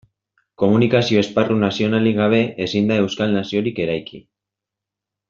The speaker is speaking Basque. Komunikazio esparru nazionalik gabe, ezin da euskal naziorik eraiki.